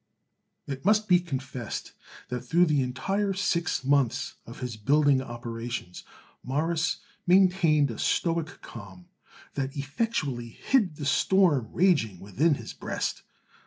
It must be confessed that through the entire six months of his building operations Morris maintained a stoic calm that effectually hid the storm raging within his breast.